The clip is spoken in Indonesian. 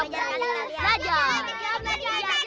sama sama belajar belajar kali kali